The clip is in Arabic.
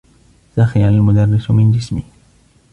سخر المدرّس من جسمي.